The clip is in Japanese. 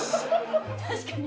確かに。